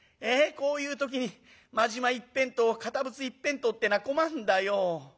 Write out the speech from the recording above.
こういう時に真面目一辺倒堅物一辺倒ってのは困んだよ。